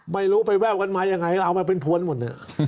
ไม่รู้ไปแว่วกันมายังไงก็เอามาเป็นพวนหมด